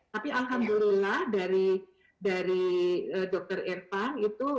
tapi alhamdulillah dari dr irfan itu